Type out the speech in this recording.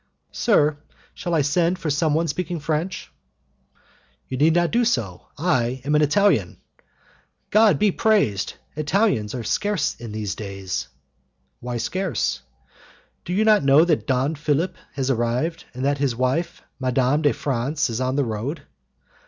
"Sir, shall I send for someone speaking French?" "You need not do so, I am an Italian." "God be praised! Italians are scarce in these days." "Why scarce?" "Do you not know that Don Philip has arrived, and that his wife, Madame de France, is on the road?"